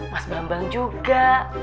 mas bambang juga